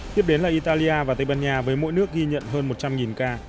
tiếp đến là italia và tây ban nha với mỗi nước ghi nhận hơn một trăm linh ca